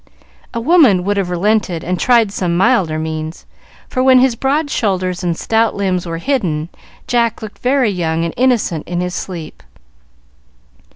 A woman would have relented and tried some milder means, for when his broad shoulders and stout limbs were hidden, Jack looked very young and innocent in his sleep.